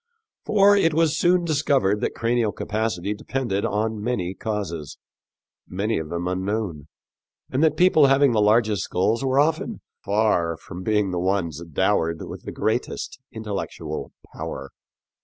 For it was soon discovered that cranial capacity depended on many causes many of them unknown and that people having the largest skulls were often far from being the ones dowered with the greatest intellectual power.